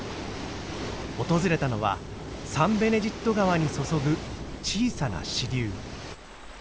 訪れたのはサンベネジット川に注ぐ小さな支流。